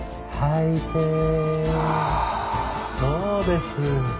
そうです。